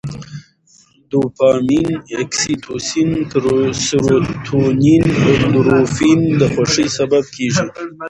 دوپامین، اکسي توسین، سروتونین او اندورفین د خوښۍ سبب کېږي.